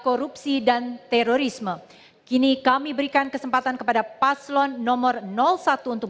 korupsi dan terorisme kini kami berikan kesempatan kepada paslon nomor satu untuk